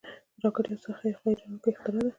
راکټ یو سخت، خو حیرانوونکی اختراع ده